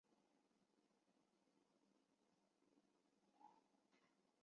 没有获得它们的原谅你就别想跨入家门一步！